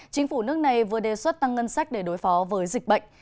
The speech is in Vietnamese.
chính phủ nước này vừa đề xuất tăng ngân sách để đối phó với dịch bệnh